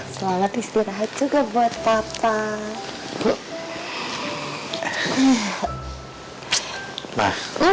sholat istirahat juga buat papa